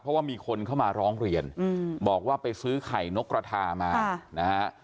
เพราะว่ามีคนเข้ามาร้องเรียนบอกว่าไปซื้อไข่นกกระทามานะฮะ